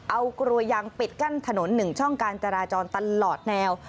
เอากลัวยางปิดกั้นถนน๑ช่องการจราจรตลอดแนว